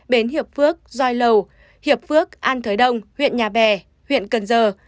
bến hiệp phước doi lầu hiệp phước an thới đông huyện nhà bè huyện cần giờ